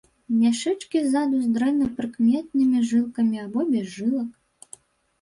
Мяшэчкі ззаду з дрэнна прыкметнымі жылкамі або без жылак.